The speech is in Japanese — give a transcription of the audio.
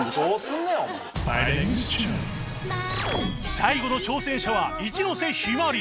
最後の挑戦者は一ノ瀬陽鞠